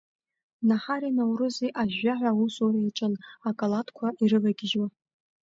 Наҳари Наурызи ажәжәаҳәа аусура иаҿын, акалаҭқәа ирывагьежьуа.